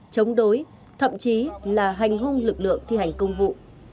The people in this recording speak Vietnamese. chống đối thậm chí là hành hung lực lượng thi hành công vụ